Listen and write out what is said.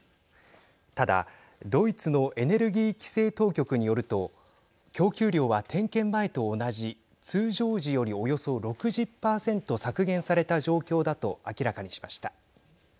ただ、ドイツのエネルギー規制当局によると供給量は点検前と同じ通常時より、およそ６０％削減された状況だと明らかにしました。